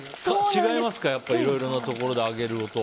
違いますかやっぱりいろいろなところで揚げる音は。